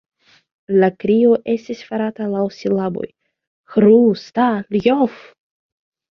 La krio estis farata laŭ silaboj: "Ĥru-Sta-ljov!